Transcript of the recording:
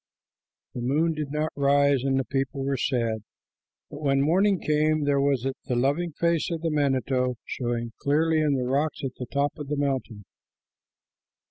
The moon did not rise, and the people were sad, but when morning came, there was the loving face of the manito showing clearly in the rocks at the top of the mountain.